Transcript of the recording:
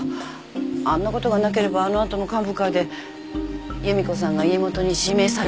あんなことがなければあの後の幹部会で夕美子さんが家元に指名されてたと思います。